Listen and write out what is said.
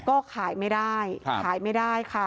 ก็ขายไม่ได้ขายไม่ได้ค่ะ